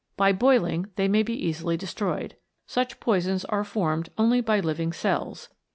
By boiling they may be easily destroyed. Such poisons are formed only by living cells.